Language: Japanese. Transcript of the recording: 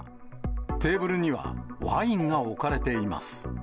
テーブルにはワインが置かれています。